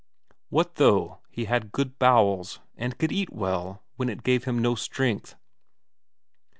What though he had good bowels, and could eat well, when it gave him no strength?